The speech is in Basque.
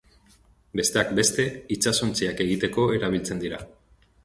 Besteak beste, itsasontziak egiteko erabiltzen da.